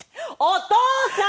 お父さん！